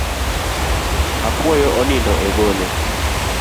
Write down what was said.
Apuoyo onindo e gono.